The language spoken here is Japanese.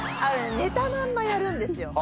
寝たまんまやるんですよ。